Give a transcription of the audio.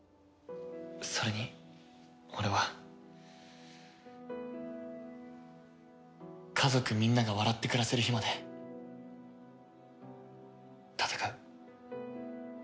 それに俺は家族みんなが笑って暮らせる日まで戦う。